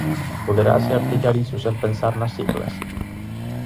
Poderase artellar iso sen pensar nas siglas?